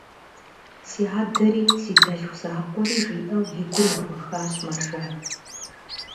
Си адэри, си дэлъху закъуэри, – жиӏэу, и гур ехуэхащ Мэржан.